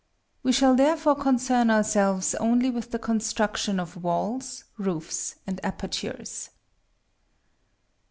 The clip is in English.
We shall therefore concern ourselves only with the construction of walls, roofs, and apertures.